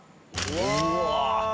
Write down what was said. うわ！